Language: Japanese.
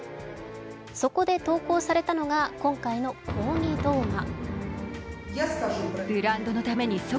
そこで投稿されたのが今回の抗議動画。